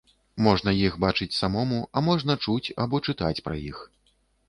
Можна іх бачыць самому, а можна чуць або чытаць пра іх.